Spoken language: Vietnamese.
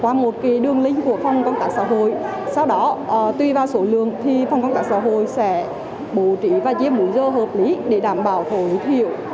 qua một kỳ đường link của phòng công tác xã hội sau đó tùy vào số lượng thì phòng công tác xã hội sẽ bố trí và chiếm mũi dơ hợp lý để đảm bảo thổi thiệu